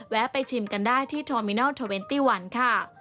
แวะไปชิมกันได้ที่ทอมมินัล๒๑ค่ะ